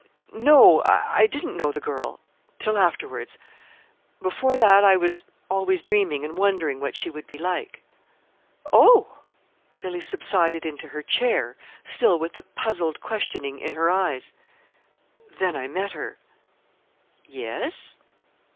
"No, I didn't know the girl till afterwards. Before that I was always dreaming and wondering what she would be like." "Oh!" Billy subsided into her chair, still with the puzzled questioning in her eyes. "Then I met her." "Yes?"